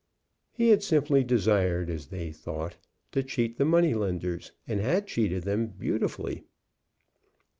He had simply desired, as they thought, to cheat the money lenders, and had cheated them beautifully.